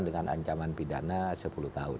dengan ancaman pidana sepuluh tahun